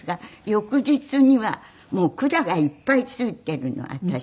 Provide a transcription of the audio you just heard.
翌日には管がいっぱいついているの私。